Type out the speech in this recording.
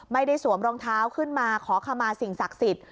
สวมรองเท้าขึ้นมาขอขมาสิ่งศักดิ์สิทธิ